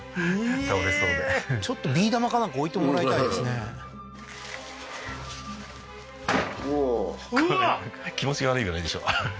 倒れそうでちょっとビー玉かなんか置いてもらいたいですねおおーこれ気持ちが悪いぐらいでしょ